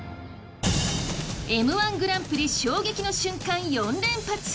Ｍ−１グランプリ衝撃の瞬間４連発！